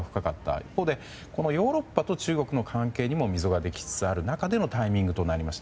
一方でヨーロッパと中国の関係にも溝ができつつある中でのタイミングとなりました。